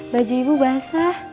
baju ibu basah